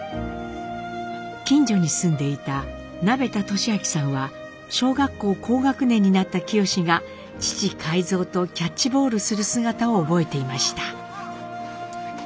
近所に住んでいた鍋田敏昭さんは小学校高学年になった清が父海蔵とキャッチボールする姿を覚えていました。